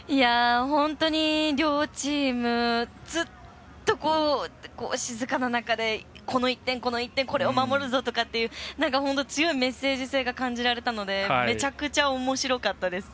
本当に両チームずっと静かな中でこの１点、この１点これを守るぞとかっていう本当、強いメッセージ性が感じられたのでめちゃくちゃおもしろかったです。